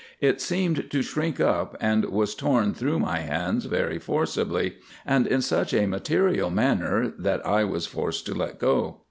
It seemed to shrink up, and was torn through my hands very forcibly, and in such a material manner that I was forced to let go.